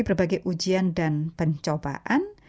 berbagai ujian dan pencobaan